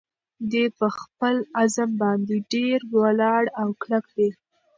دی په خپل عزم باندې ډېر ولاړ او کلک دی.